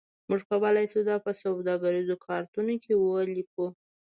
موږ کولی شو دا په سوداګریزو کارتونو کې ولیکو